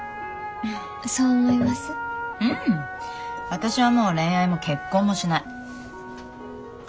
私はもう恋愛も結婚もしない。